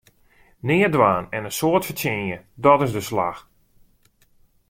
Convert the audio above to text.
Neat dwaan en in soad fertsjinje, dàt is de slach!